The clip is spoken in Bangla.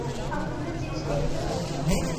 আমি দূরের জিনিস দেখতে পারি না।